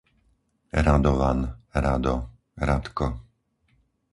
Radovan, Rado, Radko